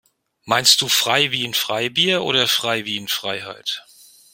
Meinst du frei wie in Freibier oder frei wie in Freiheit?